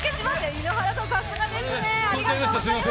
井ノ原さん、さすがですね！